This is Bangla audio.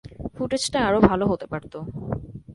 ফুটেজটা আরও ভালো হতে পারত।